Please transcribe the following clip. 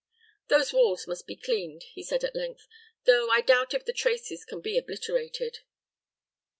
"Those walls must be cleaned," he said, at length; "though I doubt if the traces can be obliterated."